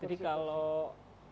jadi kalau kursi ini